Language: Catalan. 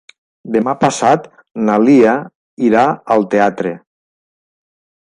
Demà passat na Lia irà al teatre.